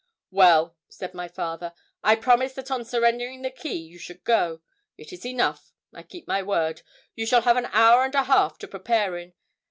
'Well,' said my father,' I promised that on surrendering the key you should go. It is enough. I keep my word. You shall have an hour and a half to prepare in.